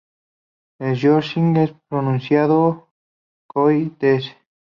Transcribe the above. En Yorkshire es pronunciado c-oy-ts.